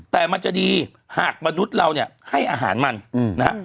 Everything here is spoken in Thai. แต่มันจะดีหากมนุษย์เราเนี่ยให้อาหารมันนะฮะ